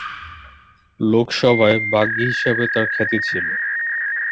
লোকসভায় বাগ্মী হিসেবে তার খ্যাতি ছিল।